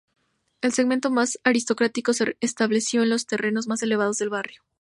El segmento más aristocrático se estableció en los terrenos más elevados del barrio.